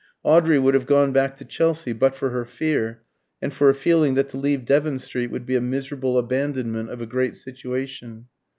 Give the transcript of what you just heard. Audrey would have gone back to Chelsea but for her fear, and for a feeling that to leave Devon Street would be a miserable abandonment of a great situation.